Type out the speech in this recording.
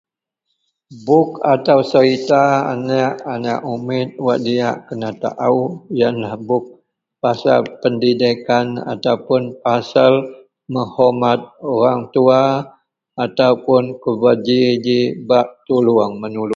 Buk atau serita anek-anek umit wak diyak kena tao iyen lah buk pasel pendidikkan pasel mengormat orang tuwa kuba kubajiji tolong menolonj.